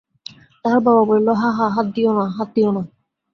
তাহার বাবা বলিল, হা হা হাত দিয়ো না হাত দিয়ো না।